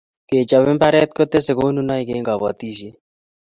kechob mbaret kotese konunaik eng' kabatishiet